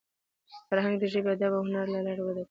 فرهنګ د ژبي، ادب او هنر له لاري وده کوي.